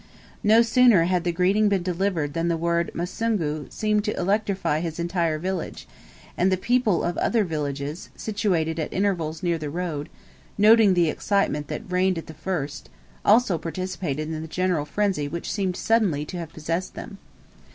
No sooner had the greeting been delivered than the word "Musungu" seemed to electrify his entire village; and the people of other villages, situated at intervals near the road, noting the excitement that reigned at the first, also participated in the general frenzy which seemed suddenly to have possessed them.